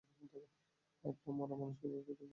একটা মরা মানুষকে ভয় পেতে বলছো আমাকে।